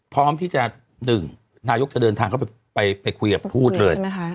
พร้อมที่๑นายกจะเดินทางเข้าไปคุยกับพูดเลย